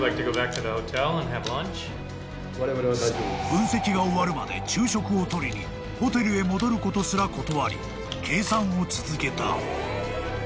［分析が終わるまで昼食を取りにホテルへ戻ることすら断り計算を続けた］